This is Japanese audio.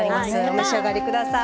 お召し上がり下さい。